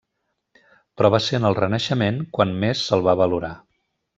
Però va ser en el Renaixement quan més se'l va valorar.